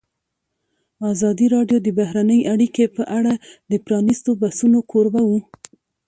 ازادي راډیو د بهرنۍ اړیکې په اړه د پرانیستو بحثونو کوربه وه.